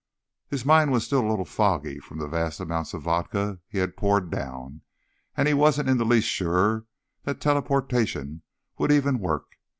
His mind was still a little foggy from the vast amounts of vodka he had poured down, and he wasn't in the least sure that teleportation would even work.